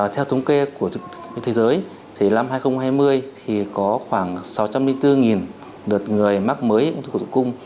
theo thống kê của thế giới năm hai nghìn hai mươi có khoảng sáu mươi bốn đợt người mắc mới ung thư cổ tử cung